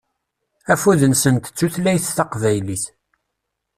Afud-nsent d tutlayt taqbaylit.